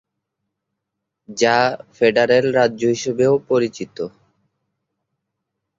যা "ফেডারেল রাজ্য" হিসাবেও পরিচিত।